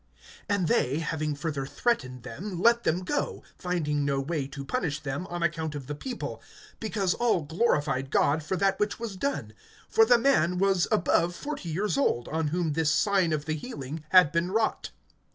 (21)And they, having further threatened them, let them go, finding no way to punish them, on account of the people, because all glorified God for that which was done; (22)for the man was above forty years old, on whom this sign of the healing had been wrought.